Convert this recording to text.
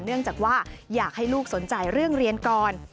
เนื่องจากว่าอยากให้ลูกสนใจเรื่องเรียนก่อน